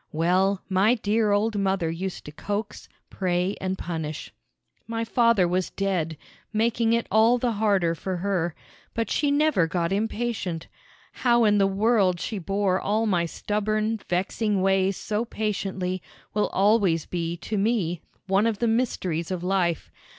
Well, my dear old mother used to coax, pray, and punish. My father was dead, making it all the harder for her, but she never got impatient. How in the world she bore all my stubborn, vexing ways so patiently will always be to me one of the mysteries of life.